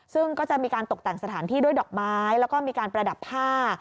ซึ่งก็จะมีการตกแต่งสถานที่ด้วยดอกไม้แล้วก็มีการประดับผ้า